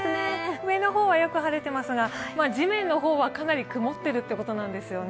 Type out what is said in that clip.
上の方はよく晴れていますが、地面の方はかなり曇ってるということなんですよね。